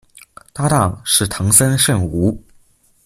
搭挡是藤森慎吾。